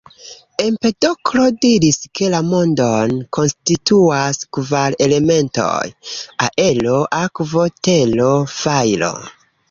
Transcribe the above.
Empedoklo diris ke la mondon konstituas kvar elementoj: aero, akvo, tero, fajro.